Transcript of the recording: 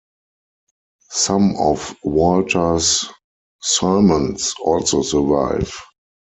Some of Walter's sermons also survive.